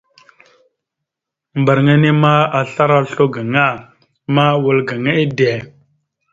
Mbarŋa enne ma, aslara oslo gaŋa ma, wal gaŋa ide.